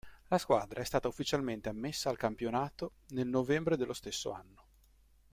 La squadra è stata ufficialmente ammessa al campionato nel novembre dello stesso anno.